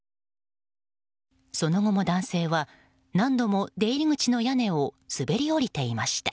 その後も男性は何度も出入り口の屋根を滑り降りていました。